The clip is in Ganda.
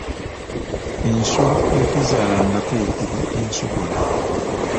Ensolo etezaalangako eyitibwa ensogola.